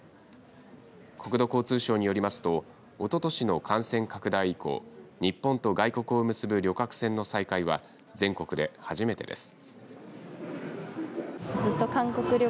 国土交通省によりますとおととしの感染拡大以降日本と外国を結ぶ旅客船の再開は全国で初めてです。